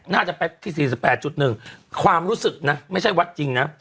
น่าจะไปที่สี่สิบแปดจุดหนึ่งความรู้สึกนะไม่ใช่วัดจริงนะ